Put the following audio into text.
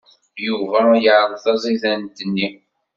Yuba iɛṛeḍ taẓidant-nni.